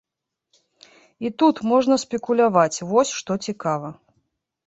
І тут можна спекуляваць, вось што цікава.